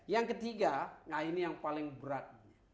yang ketiga nah ini yang paling berat